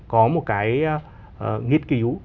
có một cái nghiên cứu